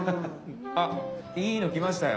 あっいいの来ましたよ。